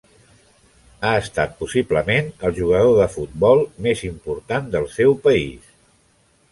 Ha estat possiblement el jugador de futbol més important del seu país.